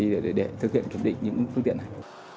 để thực hiện kiểm định những phương tiện này